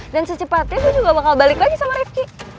dan secepatnya gue juga bakal balik lagi sama rivki